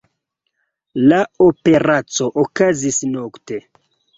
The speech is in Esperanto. La operaco okazis nokte.